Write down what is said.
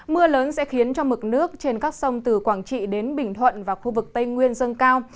mưa lớn sẽ khiến cho mực nước trên các sông từ quảng trị đến bình thuận và khu vực tây nguyên dâng cao